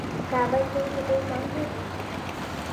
د کابل زلزلې کمزورې وي